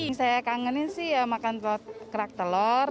yang saya kangenin sih ya makan pot kerak telur